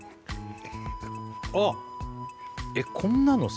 ああっえっこんなのさ